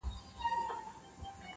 نه طبیب سوای له مرګي را ګرځولای -